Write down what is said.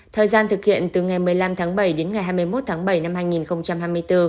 thời gian thực hiện từ ngày một mươi năm tháng bảy đến ngày hai mươi một tháng bảy năm hai nghìn hai mươi bốn